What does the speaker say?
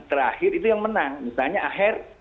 terakhir itu yang menang misalnya aher